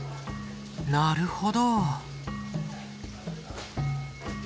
なるほど。